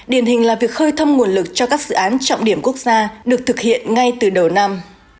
và việc khơi thâm nguồn lực cho các dự án trọng điểm quốc gia được thực hiện ngay từ đầu năm